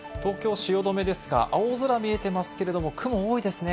東京・汐留ですが、大空が見えてますけれども雲多いですね。